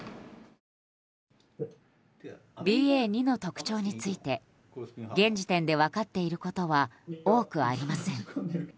ＢＡ．２の特徴について現時点で分かっていることは多くありません。